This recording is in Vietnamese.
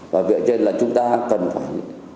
vì vậy cho nên là chúng ta cần phải